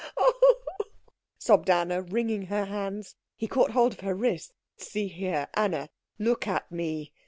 "Oh, oh," sobbed Anna, wringing her hands. He caught hold of her wrist. "See here, Anna. Look at me."